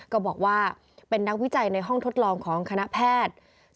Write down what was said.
ก็บอกว่าเป็นนักวิจัยในห้องทดลองของคณะแพทย์